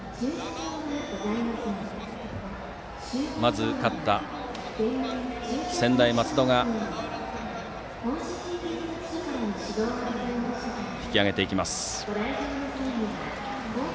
まず、勝った専大松戸が引き揚げていきます。